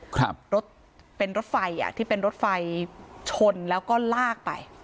ครับรถเป็นรถไฟอ่ะที่เป็นรถไฟชนแล้วก็ลากไป